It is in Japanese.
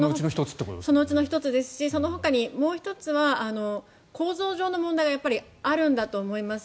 そのうちの１つですしあともう１つは構造上の問題があるんだと思います。